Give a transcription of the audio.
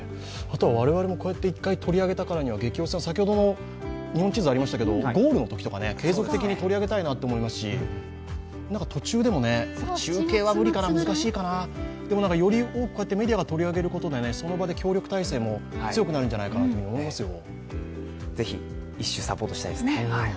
我々もこうやって１回、取り上げたからには、ゲキ推しさん、先ほどの地図でゴールの時も継続的に取り上げたいなと思いますし、途中でも中継は難しいかな、より多くメディアが取り上げることでその場で協力体制も強くなるんじゃないかと思いますよ。